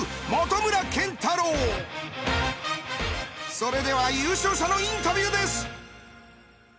それでは優勝者のインタビューです。